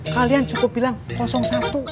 kalian cukup bilang sebelas